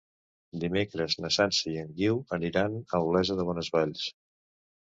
Dimecres na Sança i en Guiu aniran a Olesa de Bonesvalls.